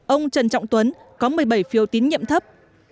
ông trần trọng tuấn có một mươi bảy phiếu tín nhiệm thấp